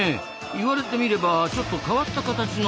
言われてみればちょっと変わった形の歯ですなあ。